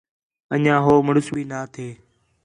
انڄیاں ہو مڑس بھی نا تھین